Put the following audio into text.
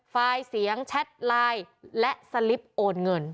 ไฟล์เสียงแชทไลน์และสลิปโอนเงิน